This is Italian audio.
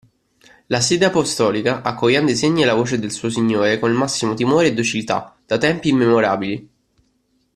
La Sede Apostolica, accogliendo i segni e la voce del suo Signore col massimo timore e docilità, da tempi immemorabili.